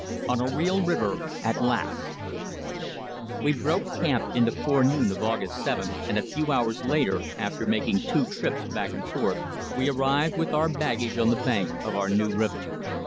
ON A REAL RIVER AT LAST We broke camp in the forenoon of August 7th, and a few hours later, after making two trips back and forth, we arrived with our baggage on the bank of our new river.